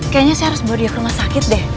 kayaknya saya harus bawa dia ke rumah sakit deh